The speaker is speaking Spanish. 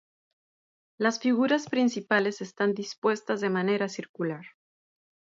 Las figuras principales están dispuestas de manera circular.